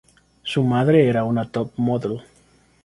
Su madre era una top model.